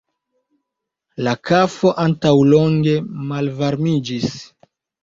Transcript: La kafo antaŭlonge malvarmiĝis.